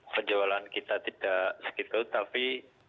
penjualan kita tidak segitu tapi